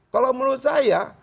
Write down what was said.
kalau menurut saya